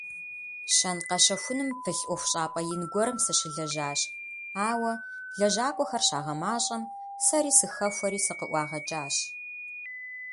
Щэн-къэщэхуным пылъ ӏуэхущӏапӏэ ин гуэрым сыщылэжьащ, ауэ, лэжьакӀуэхэр щагъэмащӀэм, сэри сыхэхуэри, сыкъыӀуагъэкӀащ.